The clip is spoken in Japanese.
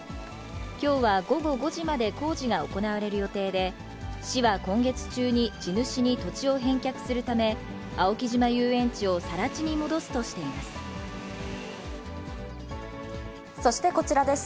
きょうは午後５時まで工事が行われる予定で、市は今月中に地主に土地を返却するため、青木島遊園地をさら地にそしてこちらです。